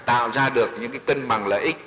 tạo ra được những cân bằng lợi ích tốt